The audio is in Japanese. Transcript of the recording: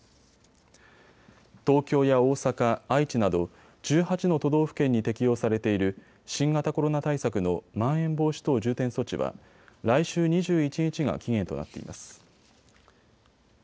東京や大阪、愛知など１８の都道府県に適用されている新型コロナ対策のまん延防止等重点措置は来週２１日が期限となっています。